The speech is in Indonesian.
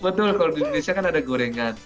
betul kalau di indonesia kan ada gorengan